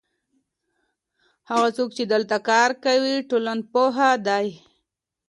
هغه څوک چې دلته کار کوي ټولنپوه دی.